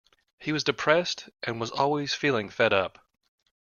He was depressed, and was always feeling fed up.